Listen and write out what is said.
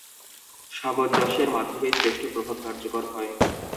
সামঞ্জস্যের মাধ্যমেই শ্রেষ্ঠ প্রভাব কার্যকর হয়।